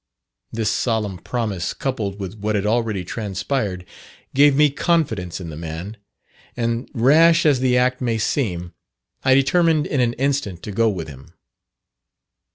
This solemn promise, coupled with what had already transpired, gave me confidence in the man; and rash as the act may seem, I determined in an instant to go with him.